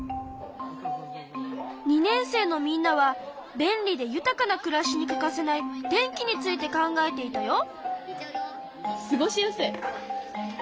２年生のみんなは便利で豊かな暮らしに欠かせない電気について考えていたよ。